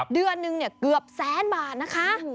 เดือนหนึ่งเกือบแสนบาทนะคะ